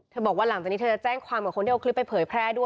จะบอกว่าหลังจากนี้เธอจะแจ้งความของคนออกคลิปให้เดียว